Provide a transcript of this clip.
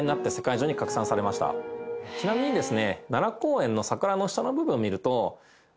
ちなみにですね。